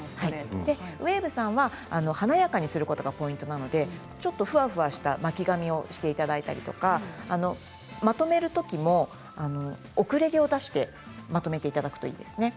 ウエーブさんは華やかにすることがポイントなのでちょっとふわふわした巻き髪をしていただいたりとかまとめるときも後れ毛を出してまとめていただくといいですね。